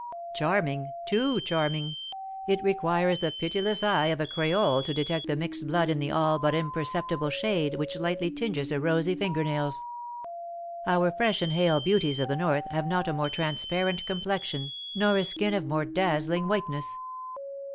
"Charming! too charming! It requires the pitiless eye of a creole to detect the mixed blood in the all but imperceptible shade which lightly tinges her rosy finger nails. Our fresh and hale beauties of the North have not a more transparent complexion, nor a skin of more dazzling whiteness."